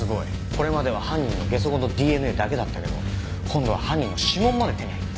これまでは犯人の下足痕とＤＮＡだけだったけど今度は犯人の指紋まで手に入った。